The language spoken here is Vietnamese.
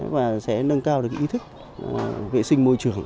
và sẽ nâng cao được ý thức vệ sinh môi trường